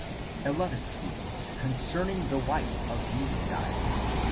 Eleventh Deed, concerning the wife of misdai.